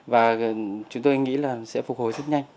và chúng tôi nghĩ là sẽ phục hồi rất nhanh